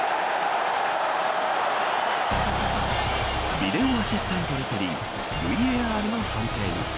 ビデオ・アシスタント・レフェリーＶＡＲの判定に。